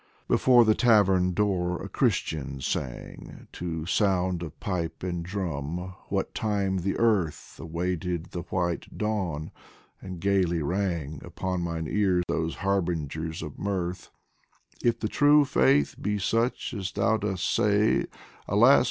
Before the tavern door a Christian sang To sound of pipe and drum, what time the earth Awaited the white dawn, and gaily rang Upon mine ear those harbingers of mirth :" If the True Faith be such as thou dost say, Alas